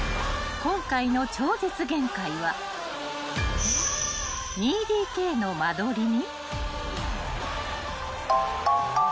［今回の『超絶限界』は２ＤＫの間取りに］